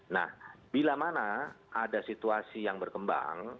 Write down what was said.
nah bila mana ada situasi yang berkembang